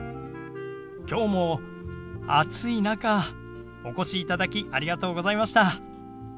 きょうも暑い中お越しいただきありがとうございました。